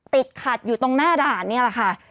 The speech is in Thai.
ติดขัดอยู่ตรงหน้าด่านนี่แหละค่ะ